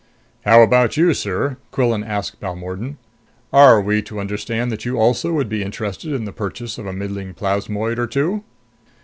"How about you, sir?" Quillan asked Balmordan. "Are we to understand that you also would be interested in the purchase of a middling plasmoid or two?"